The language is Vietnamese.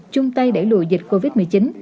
chung tay để lùi dịch covid một mươi chín